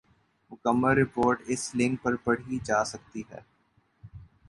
مکمل رپورٹ اس لنک پر پڑھی جا سکتی ہے ۔